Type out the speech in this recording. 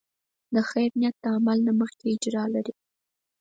د خیر نیت د عمل نه مخکې اجر لري.